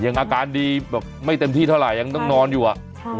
แก้งอาการดีไม่เต็มที่เท่าไรยังต้องนอนอยู่อะ